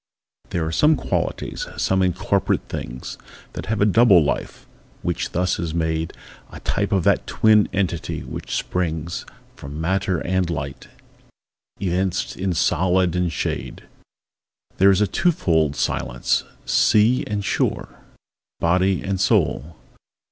There are some qualitiesâsome incorporate things, That have a double life, which thus is made A type of that twin entity which springs From matter and light, evinced in solid and shade. There is a two fold Silenceâsea and shoreâ Body and soul.